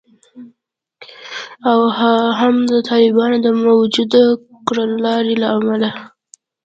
او هم د طالبانو د موجوده کړنلارې له امله